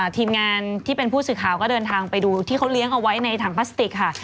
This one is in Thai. ทีมงานที่เป็นผู้สื่อข่าวก็เดินทางไปดูที่เขาเลี้ยงเอาไว้ในถังพลาสติกค่ะ